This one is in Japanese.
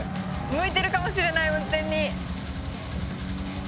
向いてるかもしれない運転に。